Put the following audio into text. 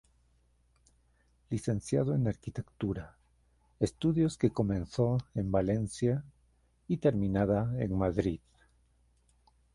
Licenciado en Arquitectura, estudios que comenzó en Valencia y terminada en Madrid.